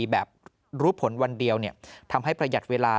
แบบรู้ผลวันเดียวทำให้ประหยัดเวลา